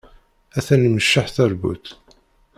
Atan imecceḥ tarbut.